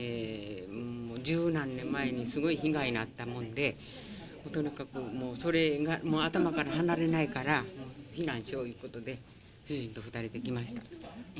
十何年前にすごい被害に遭ったもんで、とにかく、それがもう頭から離れないから、避難しようということで、主人と２人で来ました。